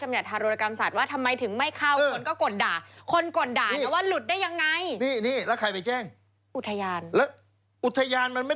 ไม่เข้าถ้าไม่เข้าเราจะไปแจ้งทำไม